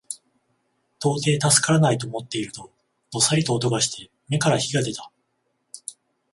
到底助からないと思っていると、どさりと音がして眼から火が出た